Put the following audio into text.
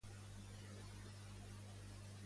Com és vista Icovellauna?